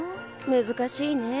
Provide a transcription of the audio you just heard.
難しいね。